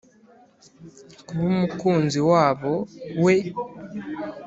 kuba umukunzi wabo we